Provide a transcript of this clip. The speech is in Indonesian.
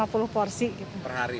per hari ya